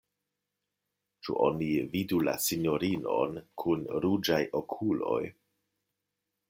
Ĉu oni vidu la sinjorinon kun ruĝaj okuloj?